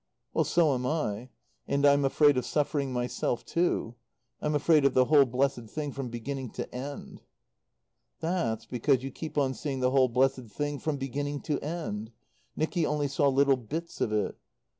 "Well, so am I. And I'm afraid of suffering myself too. I'm afraid of the whole blessed thing from beginning to end." "That's because you keep on seeing the whole blessed thing from beginning to end. Nicky only saw little bits of it.